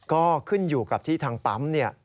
ก็ขึ้นอยู่กับที่ทางปั๊มเนี่ย